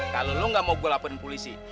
kalau lo gak mau gue laporin polisi